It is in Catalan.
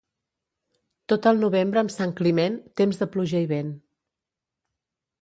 Tot el novembre amb Sant Climent, temps de pluja i vent.